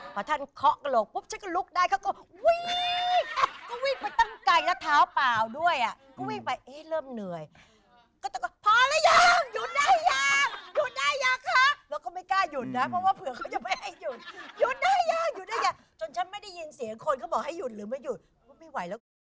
พอท่านเคาะกะโหลกปุ๊บฉันก็ลุกได้